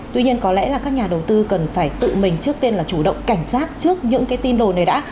tuy nhiên có lẽ là các nhà đầu tư cần phải tự mình trước tiên là chủ động cảnh giác trước những cái tin đồn này đã